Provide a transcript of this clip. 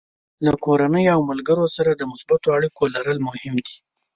له کورنۍ او ملګرو سره د مثبتو اړیکو لرل مهم دي.